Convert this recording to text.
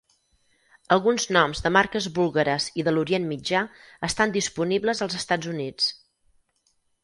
Alguns noms de marques búlgares i de l'Orient Mitjà estan disponibles als Estats Units.